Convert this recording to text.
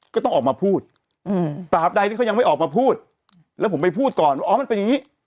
ก็ต้องออกมาพูดตราบใดที่เขายังไม่ออกมาพูดแล้วผมไปพูดก่อนว่าอ๋อมันเป็นอย่างนี้